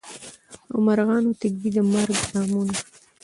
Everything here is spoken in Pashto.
او مرغانو ته ایږدي د مرګ دامونه